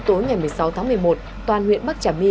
tối ngày một mươi sáu tháng một mươi một toàn huyện bắc trà my